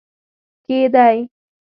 کې دی